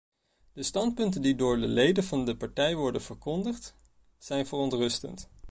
De standpunten die door de leden van de partij worden verkondigd, zijn verontrustend.